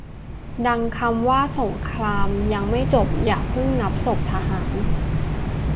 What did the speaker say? ดังคำว่าสงครามยังไม่จบอย่าเพิ่งนับศพทหาร